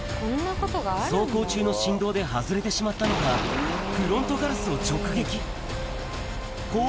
走行中の振動で外れてしまったのか、フロントガラスを直撃。